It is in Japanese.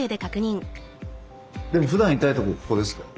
でもふだん痛いところここですか？